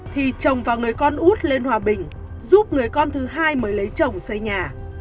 thì chồng và người con út lên hòa bình giúp người con thứ hai mới lấy chồng xây nhà